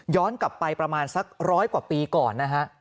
ย้อนกลับไปประมาณสักร้อยกว่าปีก่อนนะครับ